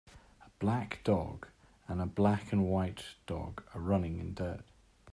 A black dog and a black and white dog are running in dirt.